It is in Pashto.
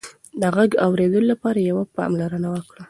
د غږ د اورېدو لپاره پوره پاملرنه وکړه.